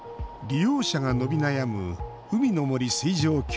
利用者が伸び悩む海の森水上競技場。